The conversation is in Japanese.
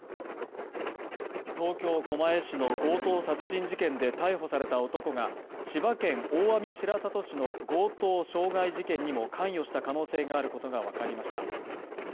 東京・狛江市の強盗殺人事件で逮捕された男が千葉県大網白里市の強盗傷害事件にも関与した可能性があることが分かりました。